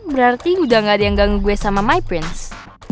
berarti udah gak ada yang ganggu gue sama my prince